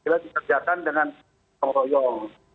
bila dikerjakan dengan royong